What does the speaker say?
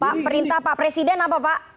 pak perintah pak presiden apa pak